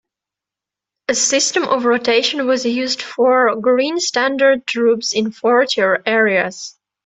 A system of rotation was used for Green Standard troops in frontier areas.